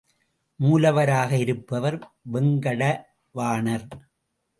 மூலவராக இருப்பவர் வேங்கட வாணர்.